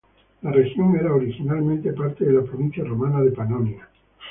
La región era originalmente parte de la provincia romana de Panonia.